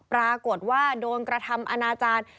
ปรากฏว่าโดนกระทำอนาจารย์